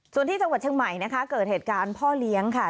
ส่วนที่จังหวัดเชียงใหม่นะคะเกิดเหตุการณ์พ่อเลี้ยงค่ะ